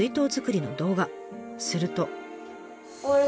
すると。